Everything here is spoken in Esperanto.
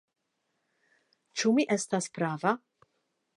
Ĉu mi estas prava?